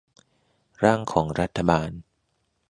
ร่างของรัฐบาล